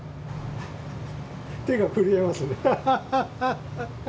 手が震えますね。